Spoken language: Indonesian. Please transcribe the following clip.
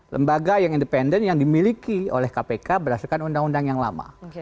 lembaga yang independen yang dimiliki oleh kpk berdasarkan undang undang yang lama